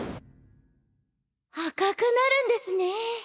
・赤くなるんですね。